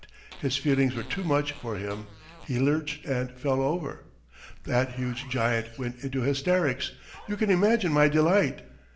. his feelings were too much for him, he lurched and fell over ... that huge giant went into hysterics, you can imagine my delight!